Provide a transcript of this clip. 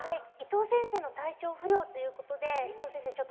伊藤先生の体調不良ということで伊藤先生